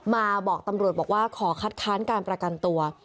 มาบอกตำรวจบอกว่าขอคัดค้านการประกันตัว